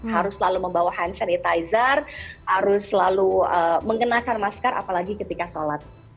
harus selalu membawa hand sanitizer harus selalu mengenakan masker apalagi ketika sholat